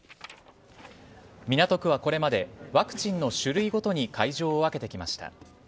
港区はこれまでワクチンの種類ごとに会場を分けてきました。